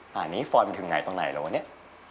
อันนี้ฟอยมันถึงไหนตรงไหนแล้ววะเนี่ย